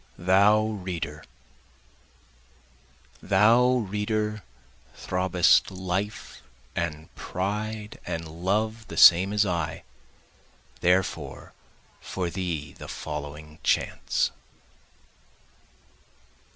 Thou Reader Thou reader throbbest life and pride and love the same as I, Therefore for thee the following chants.